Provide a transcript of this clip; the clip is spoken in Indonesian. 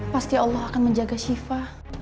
pasti allah akan menjaga shifa